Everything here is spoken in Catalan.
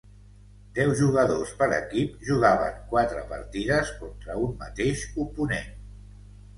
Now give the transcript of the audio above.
Deu jugadors per equip jugaven quatre partides contra un mateix oponent.